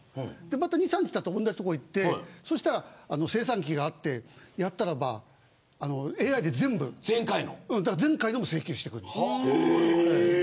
また２、３日たって同じ所に行ったら精算機があって、やったらばＡＩで全部前回のも請求してくる。